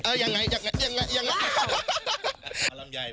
เออยังไงยังไงยังไง